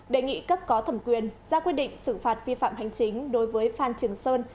đề nghị cấp có thẩm quyền ra quyết định xử phạt vi phạm hành chính đối với phan trường sơn